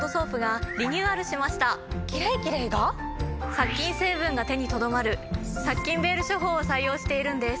殺菌成分が手にとどまる殺菌ベール処方を採用しているんです。